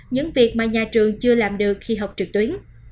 những việc mà nhà trường chưa làm được khi học trực tuyến